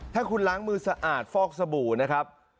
ถ้าคุณล้างมือสะอาดฟอกสบู่นะครับ